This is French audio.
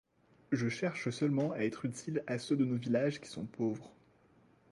Je cherche seulement à être utile à ceux de nos villages qui sont pauvres.